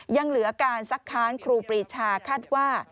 ยังเหลือการซักค้านครูปรีชาคาดว่า